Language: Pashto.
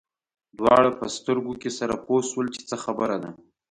دواړه په سترګو کې سره پوه شول چې خبره څه ده.